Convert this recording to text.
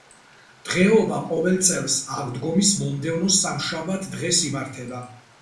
დღეობა ყოველ წელს, აღდგომის მომდევნო სამშაბათ დღეს იმართება.